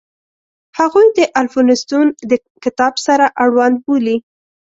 هغوی د الفونستون د کتاب سره اړوند بولي.